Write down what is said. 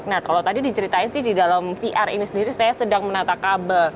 nah kalau tadi diceritain sih di dalam vr ini sendiri saya sedang menata kabel